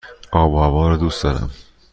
آب و هوا را دوست دارم.